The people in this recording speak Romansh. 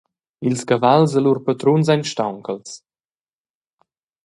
Ils cavals e lur patruns ein staunchels.